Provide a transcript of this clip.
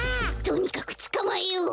とにかくつかまえよう。